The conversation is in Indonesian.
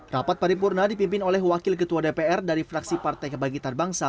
rapat paripurna dipimpin oleh wakil ketua dpr dari fraksi partai kebangkitan bangsa